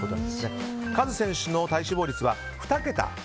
カズ選手の体脂肪率は２桁。